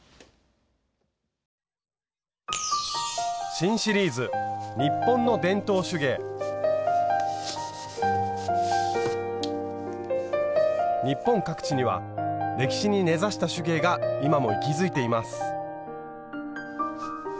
新シリーズ日本各地には歴史に根ざした手芸が今も息づいています。